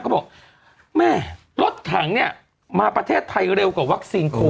เขาบอกแม่รถถังเนี่ยมาประเทศไทยเร็วกว่าวัคซีนโค